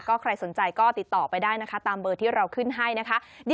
ใครสนใจก็ติดต่อไปได้นะคะตามเบอร์ที่เราขึ้นให้นะคะ